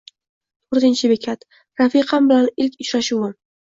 To’rtinchi bekat: Rafiqam bilan ilk uchrashuvim